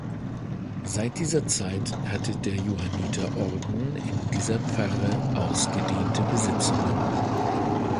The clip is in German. Seit dieser Zeit hatte der Johanniterorden in dieser Pfarre ausgedehnte Besitzungen.